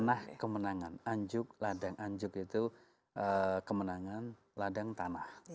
tanah kemenangan anjuk ladang anjuk itu kemenangan ladang tanah